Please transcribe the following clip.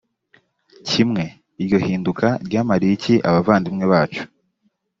kimwe iryo hinduka ryamariye iki abavandimwe bacu